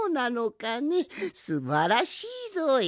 すばらしいぞい！